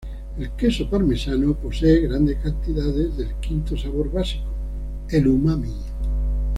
El queso parmesano posee grandes cantidades del quinto sabor básico, el umami.